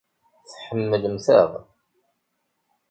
Tḥemmlemt-aɣ.